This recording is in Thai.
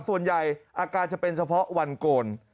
ส่วนใหญ่อาการจะเป็นเฉพาะวันโกน